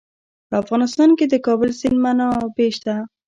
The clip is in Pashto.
په افغانستان کې د د کابل سیند منابع شته.